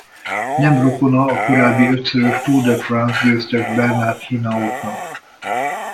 Nem rokona a korábbi ötszörös Tour de France győztes Bernard Hinault-nak.